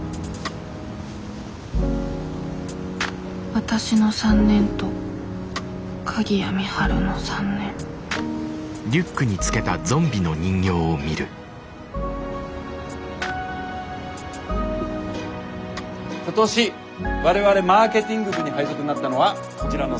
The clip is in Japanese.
わたしの３年と鍵谷美晴の３年今年我々マーケティング部に配属になったのはこちらの３人です。